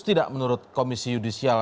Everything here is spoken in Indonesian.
tidak menurut komisi yudisial